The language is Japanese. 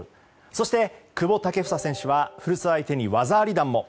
そして久保建英選手は古巣相手に技あり弾も。